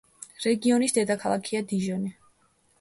რეგიონის დედაქალაქია დიჟონი.